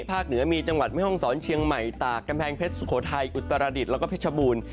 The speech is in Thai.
เหนือมีจังหวัดแม่ห้องศรเชียงใหม่ตากกำแพงเพชรสุโขทัยอุตรดิษฐ์แล้วก็เพชรบูรณ์